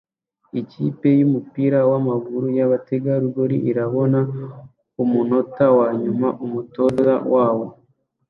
Ikipe yumupira wamaguru yabategarugori irabona umunota wanyuma umutoza wabo